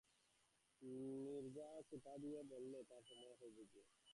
নীরজা একটু খোঁটা দিয়ে বললে, তার সময় এই বুঝি!